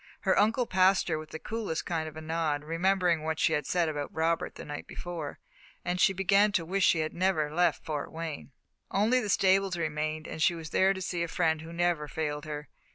Her uncle passed her with the coolest kind of a nod, remembering what she had said about Robert the night before, and she began to wish she had never left Fort Wayne. Only the stables remained, and she went there to see the friend who never failed her.